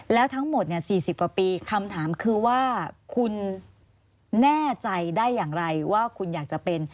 แล้วทั้งหมด๔๐กว่าปีคำถามคือว่าคุณแน่ใจได้อย่างไรว่าคุณอยากจะเป็น